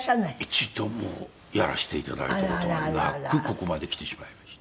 一度もやらせていただいた事がなくここまできてしまいました。